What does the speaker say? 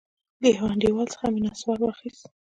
له يوه انډيوال څخه مې نسوار واخيست.